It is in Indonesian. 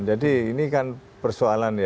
jadi ini kan persoalan